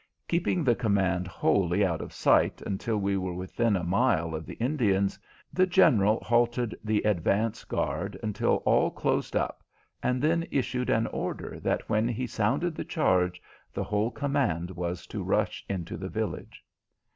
Keeping the command wholly out of sight until we were within a mile of the Indians, the General halted the advance guard until all closed up, and then issued an order that when he sounded the charge the whole command was to rush into the village.